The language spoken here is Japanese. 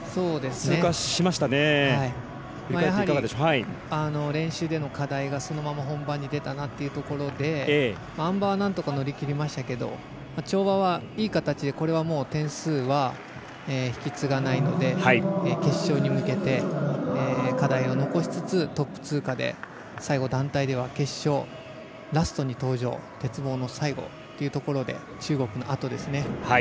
やはり練習での課題がそのまま本番に出たなというところであん馬はなんとか乗り切りましたけど跳馬は、いい形で点数は引き継がないので決勝に向けて、課題を残しつつトップ通過で最後、団体では決勝、ラストに登場鉄棒の最後というところで中国のあとですね。